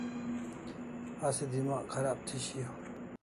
Asi demagh kharab thi shiau